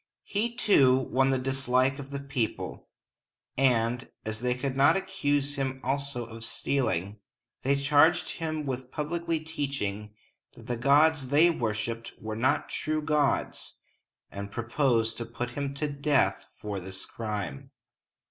He, too, won the dislike of the people; and, as they could not accuse him also of stealing, they charged him with publicly teaching that the gods they worshiped were not true gods, and proposed to put him to death for this crime.